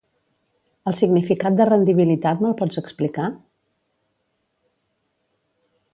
El significat de rendibilitat me'l pots explicar?